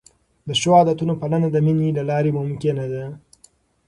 د ښو عادتونو پالنه د مینې له لارې ممکنه ده.